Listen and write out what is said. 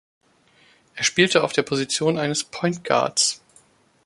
Er spielte auf der Position eines Point Guards.